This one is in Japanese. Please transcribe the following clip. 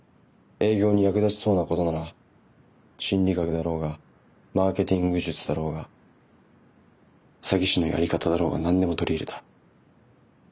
営業に役立ちそうなことなら心理学だろうがマーケティング術だろうが詐欺師のやり方だろうが何でも取り入れた。